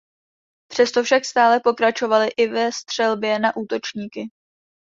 Přesto však stále pokračovali i ve střelbě na útočníky.